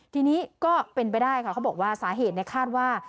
ทีนี้ก็เป็นไปได้ค่ะเขาบอกว่าสาเหตุคาดว่า